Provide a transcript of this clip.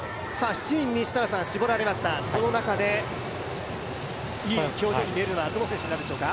７人に絞られましたがこの中でいい表情に見えるのはどの選手になるでしょうか？